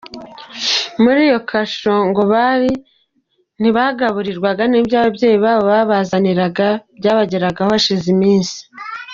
Muri iyo kasho ngo barintibagaburirwaga n’ibyo ababyeyi babo babahazaniraga byabageragaho hashize iminsi.